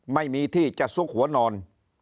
ไม่มีที่จะซุกหัวนอน